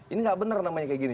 ini nggak benar namanya kayak gini